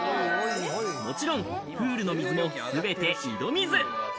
もちろんプールの水も全て井戸水。